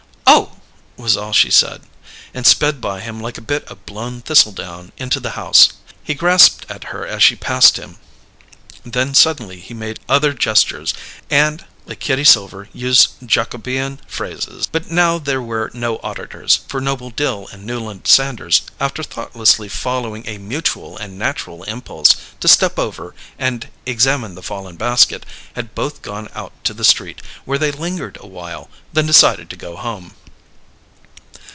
"Oh!" was all she said, and sped by him like a bit of blown thistledown, into the house. He grasped at her as she passed him; then suddenly he made other gestures, and, like Kitty Silver, used Jacobean phrases. But now there were no auditors, for Noble Dill and Newland Sanders, after thoughtlessly following a mutual and natural impulse to step over and examine the fallen basket, had both gone out to the street, where they lingered a while, then decided to go home.